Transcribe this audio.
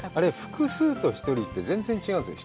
複数と１人って、全然違うんですよ。